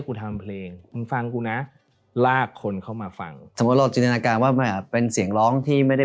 กูทำเพลงมึงฟังกูนะลากคนเข้ามาฟังสมมุติว่าเป็นเสียงร้องที่ไม่ได้